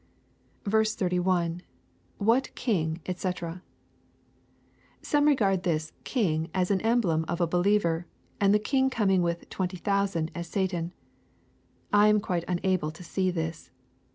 172 EXPOSITORY THOUGHTS. 31. — [What king J ibc.] Some regard this " king" as an emblem of a believer, and tlie king coming with *' twenty thousand,*' as Satan. I am quite unable to see this.